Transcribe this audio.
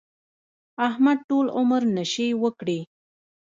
احمد ټول عمر نشې وکړې.